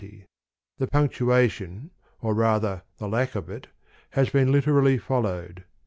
The punctuation (or rather the lack of it) has been literally followed.